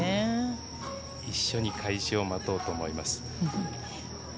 一緒に開始を待とうと思います。